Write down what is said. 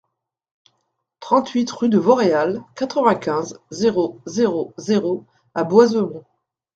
trente-huit rue de Vauréal, quatre-vingt-quinze, zéro zéro zéro à Boisemont